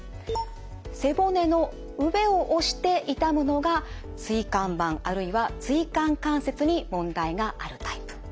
背骨の上を押して痛むのが椎間板あるいは椎間関節に問題があるタイプ。